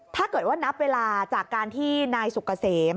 ถ้าเกิดว่านับเวลาจากการที่นายสุกเกษม